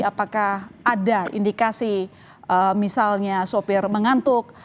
apakah ada indikasi misalnya sopir mengantuk